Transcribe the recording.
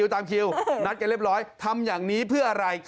ตามคิวนัดกันเรียบร้อยทำอย่างนี้เพื่ออะไร